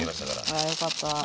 あらよかった。